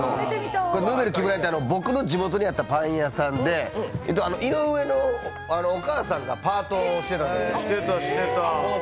ヌーベルキムラヤって僕の地元にあったパン屋さんで、井上のお母さんがパートしてたんです。